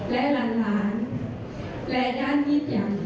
และหลานและด้านนิดอย่างนี้